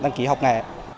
đăng ký học nghề